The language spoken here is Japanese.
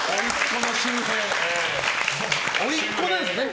おいっ子なんですね。